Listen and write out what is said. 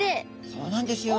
そうなんですよ。